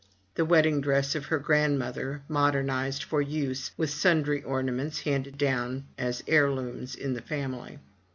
The wedding dress of her grandmother, modernized for use, with sundry ornaments, handed down as heirlooms in the family.